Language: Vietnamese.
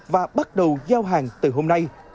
và bắt đầu giao hàng từ hôm nay